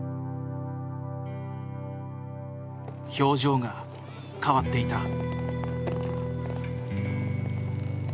表情が変わっていた。